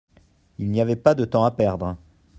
Il n'y avait pas de temps à perdre.